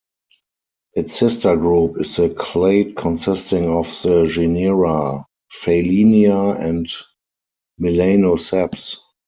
Its sister group is the clade consisting of the genera "Feylinia" and "Melanoseps".